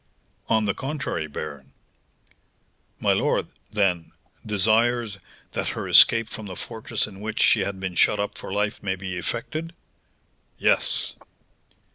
"On the contrary, baron." "My lord, then, desires that her escape from the fortress in which she had been shut up for life may be effected?" "Yes."